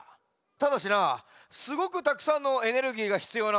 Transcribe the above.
ただしなすごくたくさんのエネルギーがひつようなんじゃ。